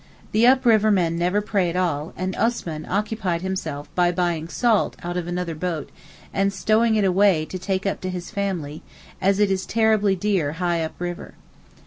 The up river men never pray at all, and Osman occupied himself by buying salt out of another boat and stowing it away to take up to his family, as it is terribly dear high up the river.